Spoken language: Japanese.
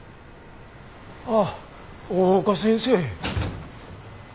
あっ大岡先生。